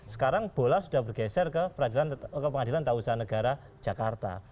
sekarang bola sudah bergeser ke pengadilan tak usaha negara jakarta